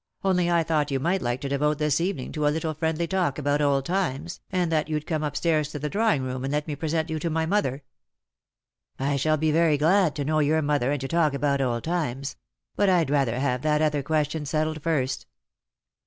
Only I thought you might like to devote this evening to a little friendly talk about old times, and that you'd come up stairs to the drawing room and let me present you to my mother." " I shall be very glad to know your mother, and to talk about old times. But I'd rather have that other question settled first."